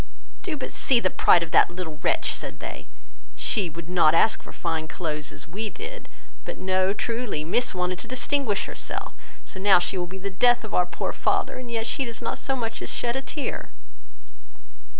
"Do but see the pride of that little wretch, (said they); she would not ask for fine clothes, as we did; but no, truly, Miss wanted to distinguish herself; so now she will be the death of our poor father, and yet she does not so much as shed a tear."